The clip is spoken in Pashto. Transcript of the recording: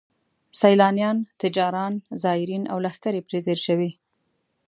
سیلانیان، تجاران، زایرین او لښکرې پرې تېر شوي.